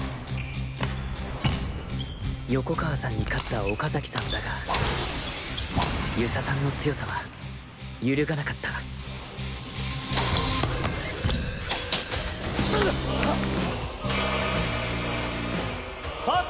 横川さんに勝った岡崎さんだが遊佐さんの強さは揺るがなかったうっ。